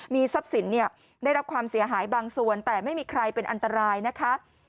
มีทรัพย์สินได้รับความเสียหายบางส่วนแต่ไม่มีใครเป็นอันตรายนะคะ